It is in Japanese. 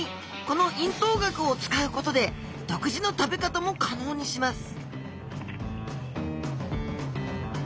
この咽頭顎を使うことで独自の食べ方も可能にします